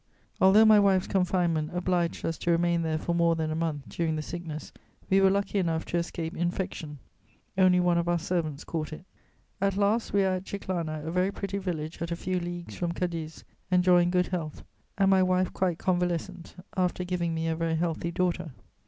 "Although my wife's confinement obliged us to remain there for more than a month during the sickness, we were lucky enough to escape infection; only one of our servants caught it. "At last we are at Chiclana, a very pretty village at a few leagues from Cadiz, enjoying good health, and my wife quite convalescent, after giving me a very healthy daughter.